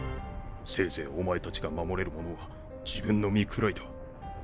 せいぜいお前たちが守れるものは自分の身くらいだ。